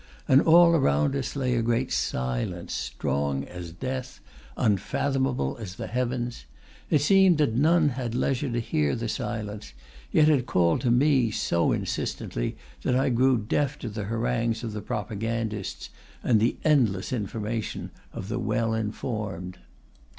And all around us lay a great silence, strong as death, unfathomable as the heavens. It seemed that none had leisure to hear the silence, yet it called to me so insistently that I grew deaf to the harangues of propagandists and the endless information of the well informed.